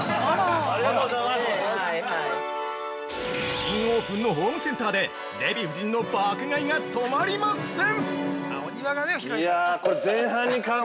◆新オープンのホームセンターでデヴィ夫人の爆買いが止まりません！